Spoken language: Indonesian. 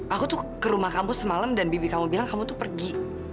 aku tuh ke rumah kamu semalam dan bibi kamu bilang kamu tuh pergi